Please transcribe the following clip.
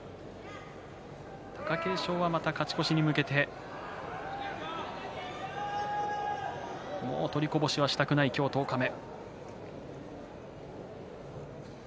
貴景勝はまた勝ち越しに向けてもう取りこぼしはしたくない今日十日目。